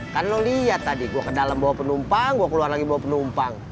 kan lo lihat tadi gue ke dalam bawa penumpang gue keluar lagi bawa penumpang